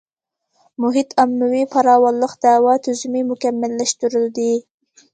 مۇھىت ئاممىۋى پاراۋانلىق دەۋا تۈزۈمى مۇكەممەللەشتۈرۈلدى.